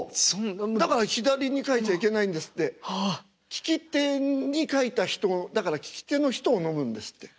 利き手に書いた「人」だからきき手の人を飲むんですって。